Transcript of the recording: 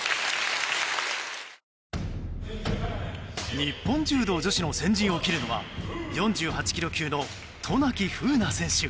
日本柔道女子の先陣を切るのは４８ｋｇ級の渡名喜風南選手。